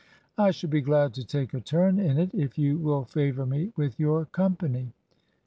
I sjiould be glad to take a turn in it, if you will favor me with your^company.' .